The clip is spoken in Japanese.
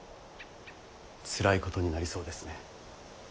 つらいことになりそうですね。